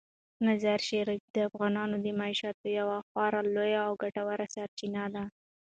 مزارشریف د افغانانو د معیشت یوه خورا لویه او ګټوره سرچینه ده.